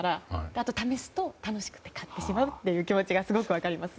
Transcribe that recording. あと試すと、楽しくて買ってしまうという気持ちがすごく分かります。